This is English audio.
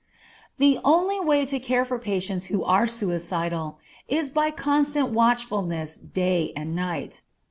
The only way to care for patients who are suicidal, is by constant watchfulness day and night.